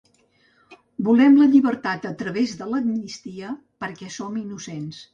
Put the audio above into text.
Volem la llibertat a través de l'amnistia, perquè som innocents.